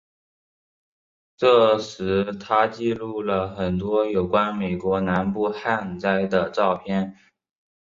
这时他记录了很多有关美国南部旱灾的照片。